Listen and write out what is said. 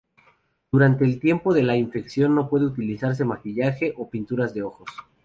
Durante el tiempo de la infección no debe utilizarse maquillaje o pinturas de ojos.